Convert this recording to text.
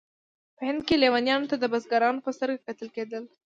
په هند کې لیونیانو ته د بزرګانو په سترګه کتل کېدل.